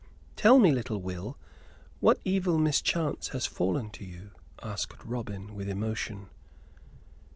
"Tell me, little Will, what evil mischance has fallen to you?" asked Robin, with emotion.